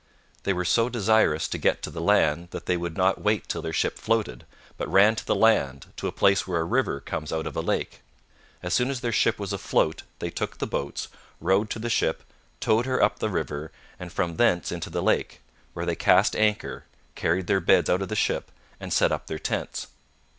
They were so desirous to get to the land that they would not wait till their ship floated, but ran to the land, to a place where a river comes out of a lake. As soon as their ship was afloat they took the boats, rowed to the ship, towed her up the river, and from thence into the lake, where they cast anchor, carried their beds out of the ship, and set up their tents.